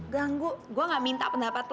ganggu gue nggak minta pendapat lo